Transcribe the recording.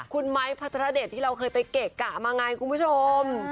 คุณไม้พัทรเดชที่เราเคยไปเกะกะมาไงคุณผู้ชม